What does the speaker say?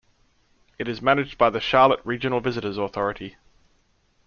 It is managed by the Charlotte Regional Visitors Authority.